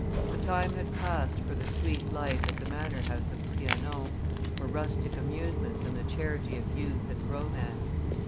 The time had passed for the sweet life at the manor house of Trianon, for rustic amusements and the charity of youth and romance.